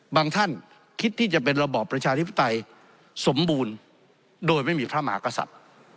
ท่านคิดที่จะเป็นระบอบประชาธิปไตยสมบูรณ์โดยไม่มีพระมหากษัตริย์